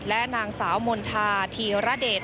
และนางสาวมณฑาธีรเดช